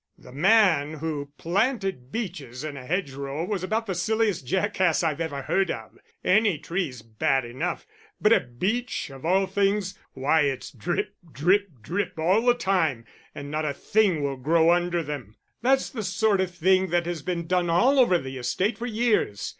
"The man who planted beeches in a hedgerow was about the silliest jackass I've ever heard of. Any tree's bad enough, but a beech of all things why, it's drip, drip, drip, all the time, and not a thing will grow under them. That's the sort of thing that has been done all over the estate for years.